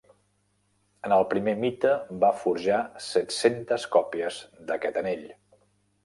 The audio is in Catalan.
En el primer mite va forjar set-centes còpies d'aquest anell.